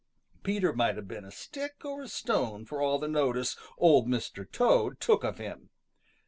Peter might have been a stick or a stone for all the notice Old Mr. Toad took of him.